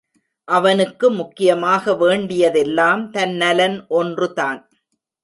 அவனுக்கு முக்கியமாக வேண்டியதெல்லாம் தன் நலன் ஒன்று தான்.